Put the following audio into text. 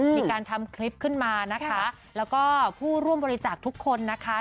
มีการทำคลิปขึ้นมานะคะแล้วก็ผู้ร่วมบริจาคทุกคนนะคะ